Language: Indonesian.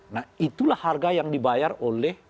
nah itulah harga yang dibayar oleh